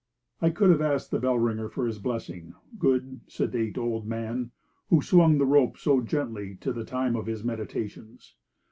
I could have asked the bell ringer for his blessing, good, sedate old man, who swung the rope so gently to the time of his meditations.